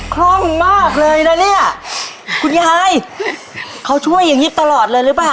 คล่องมากเลยนะเนี่ยคุณยายเขาช่วยอย่างงี้ตลอดเลยหรือเปล่า